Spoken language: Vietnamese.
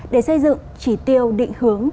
để xây dựng chỉ tiêu định hướng